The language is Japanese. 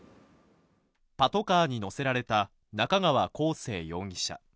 パトカーに乗せられた中川晃成容疑者。